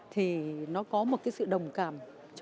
thì nó có một cái sự đồng cảm